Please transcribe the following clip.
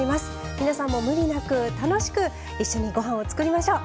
皆さんもムリなく楽しく一緒にご飯を作りましょう。